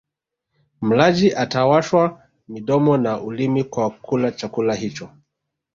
Mlaji atawashwa midomo na ulimi kwa kula chakula hicho